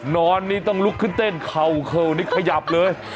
นอนนี่ต้องลุกขึ้นเต้นเข่าเข่านี่ขยับเลย